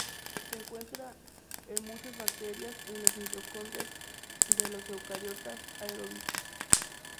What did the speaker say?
Se encuentra en muchas bacterias y en las mitocondrias de los eucariotas aeróbicos.